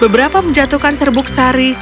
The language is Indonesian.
beberapa menjatuhkan serbuk sari